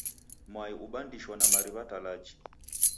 Mwai ubandisho na mariw'a talaji.